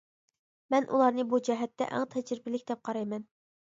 مەن ئۇلارنى بۇ جەھەتتە ئەڭ تەجرىبىلىك دەپ قارايمەن.